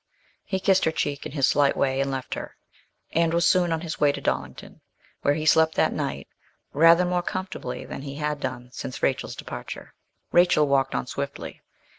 He kissed her cheek in his slight way, and left her, and was soon on his way to Dollington, where he slept that night rather more comfortably than he had done since Rachel's departure. Rachel walked on swiftly.